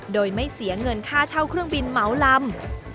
โดยไม่เสียเงินค่าเช่าเครื่องบินเหมาลำ